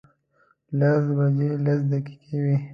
لس بجې لس دقیقې وې.